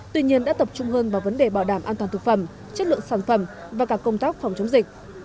tuy nhiên đã tập trung hơn vào vấn đề bảo đảm an toàn thực phẩm chất lượng sản phẩm và cả công tác phòng chống dịch